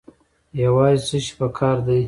یوازې څه شی پکار دی؟